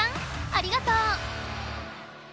ありがとう！